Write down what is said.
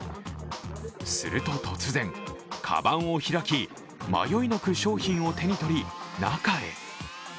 すると突然、かばんを開き、迷いなく商品を手にとり中へ。